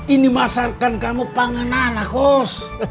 ini masarkan kamu panganan ah kos